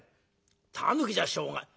タヌキじゃしょうが。